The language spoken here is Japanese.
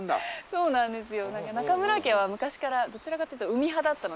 そうなんですよ。